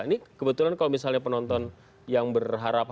ini kebetulan kalau misalnya penonton yang berharap